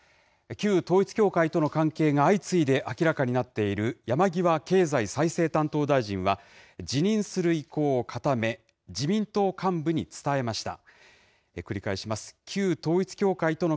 旧統一教会との関係が相次いで明らかになっている山際経済再生担当大臣は、辞任する意向を固め、自民党幹部に伝えました。